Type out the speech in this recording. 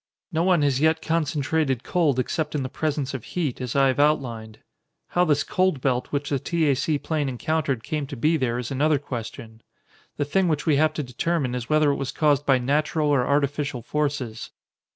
No one has yet concentrated cold except in the presence of heat, as I have outlined. How this cold belt which the T. A. C. plane encountered came to be there is another question. The thing which we have to determine is whether it was caused by natural or artificial forces."